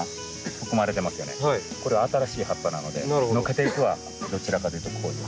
これは新しい葉っぱなのでのけていくのはどちらかというとこういう。